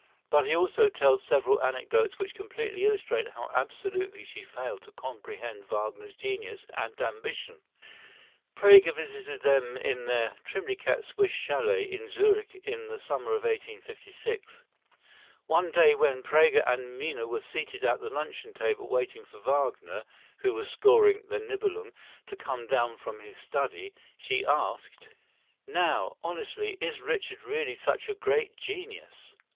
But he also tells several anecdotes which completely illustrate how absolutely she failed to comprehend Wagner's genius and ambition. Praeger visited them in their "trimly kept Swiss chalet" in Zurich in the summer of 1856. One day when Praeger and Minna were seated at the luncheon table waiting for Wagner, who was scoring the "Nibelung," to come down from his study, she asked: "Now, honestly, is Richard really such a great genius?"